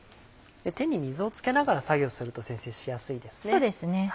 手に水を付けながら作業すると先生しやすいですね。